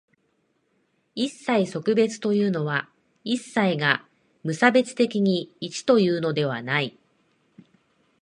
一切即一というのは、一切が無差別的に一というのではない。